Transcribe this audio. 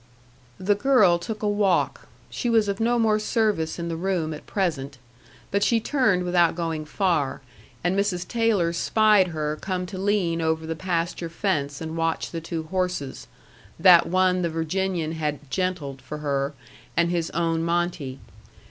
The girl took a walk, she was of no more service in the room at present, but she turned without going far, and Mrs. Taylor spied her come to lean over the pasture fence and watch the two horses that one the Virginian had "gentled" for her, and his own Monte.